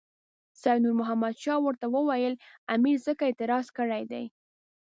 سید نور محمد شاه ورته وویل امیر ځکه اعتراض کړی دی.